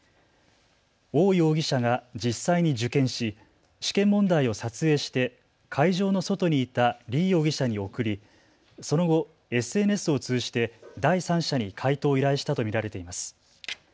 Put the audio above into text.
王容疑者が実際に受験し試験問題を撮影して会場の外にいた李容疑者に送りその後ＳＮＳを通じて第三者に解答を依頼したと見られています。